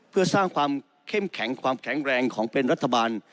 เพื่อสร้างความเข้มแข็งความแข็งแรงของเป็นรัฐบาล